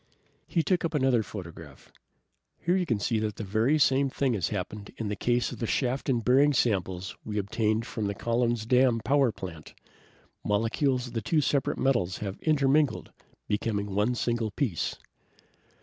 He took up another photograph. "Here you can see that the same thing has happened in the case of the shaft and bearing samples we obtained from the Collin's Dam power plant. Molecules of the two separate pieces of metal have intermingled, becoming one single piece."